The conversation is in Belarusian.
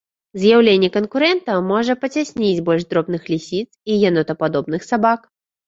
З'яўленне канкурэнта можа пацясніць больш дробных лісіц і янотападобных сабак.